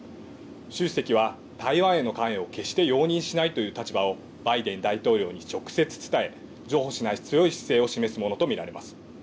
習主席は台湾への関与を決して容認しないという立場を、バイデン大統領に直接伝え、譲歩しない強い姿勢を示すものと見られます。